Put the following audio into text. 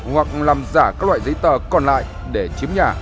hoặc làm giả các loại giấy tờ còn lại để chiếm nhà